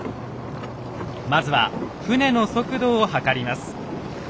まずは船の速度を測ります。